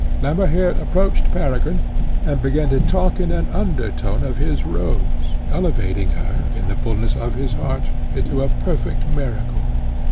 Lemmerhirt approached Peregrine, and began to talk in an under tone of his Rose, elevating her, in the fulness of his heart, into a perfect miracle.